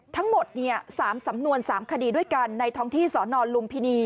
ทั้งหมด๓สำนวน๓คดีด้วยกันในท้องที่สนลุมพินี